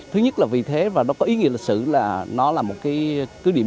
thứ nhất là vì thế và nó có ý nghĩa lịch sử là nó là một cái